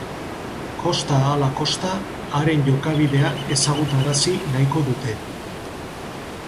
Kosta ahala kosta, haren jokabidea ezagutarazi nahiko dute.